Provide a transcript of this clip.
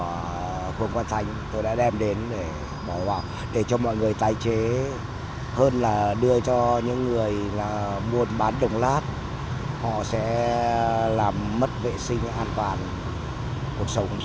ủy ban nhân dân phường quán thánh tôi đã đem đến để bỏ vào để cho mọi người tái chế hơn là đưa cho những người mua bán đồng lát họ sẽ làm mất vệ sinh an toàn cuộc sống